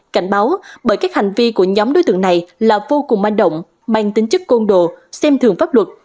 cảnh báo bởi các hành vi của nhóm đối tượng này là vô cùng manh động mang tính chất côn đồ xem thường pháp luật